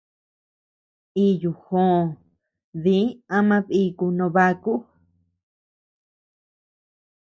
Iyu jòò dí ama biku no baku.